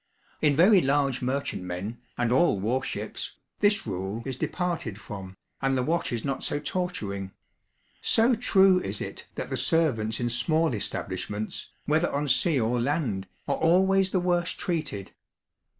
In very large merchantmen, and all warships, this rule is departed from, and the watch is not so torturing so true is it that the servants in small establishments, whether on sea or land, are always the worst treated.